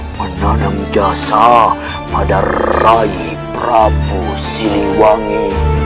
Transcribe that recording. menanam jasa pada rai prabu siliwangi